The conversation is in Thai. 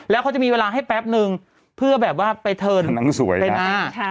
แล้วเขาจะมีเวลาให้แป๊บนึงเพื่อแบบว่าไปเทิร์น